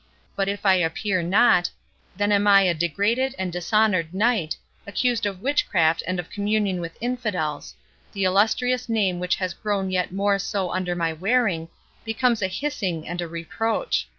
But if I appear not, then am I a degraded and dishonoured knight, accused of witchcraft and of communion with infidels—the illustrious name which has grown yet more so under my wearing, becomes a hissing and a reproach.